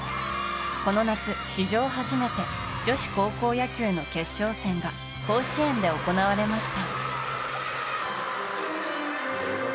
この夏、史上初めて女子高校野球の決勝戦が甲子園で行われました。